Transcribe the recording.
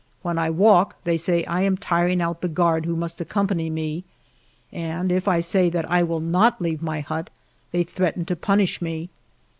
When I walk, they say I am tiring out the guard who must accompany me, and if I say that I will not leave my hut, they threaten to punish me.